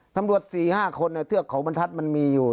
ตำรวจ๔๕คนเทือกเขาบรรทัศน์มันมีอยู่